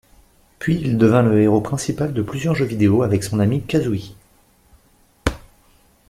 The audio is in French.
Puis il devint le héros principal de plusieurs jeux vidéo avec son amie Kazooie.